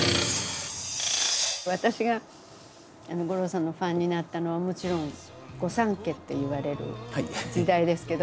私が五郎さんのファンになったのはもちろん御三家っていわれる時代ですけど。